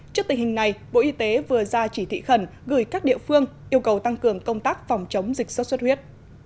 trước tình hình này bộ y tế vừa ra chỉ thị khẩn gửi các địa phương yêu cầu tăng cường công tác phòng chống dịch sốt xuất huyết